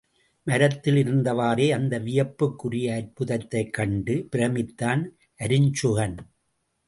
மரத்தில் இருந்தவாறே அந்த வியப்புக்குரிய அற்புதத்தைக் கண்டு பிரமித்தான் அருஞ்சுகன்.